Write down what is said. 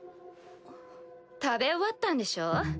食べ終わったんでしょ？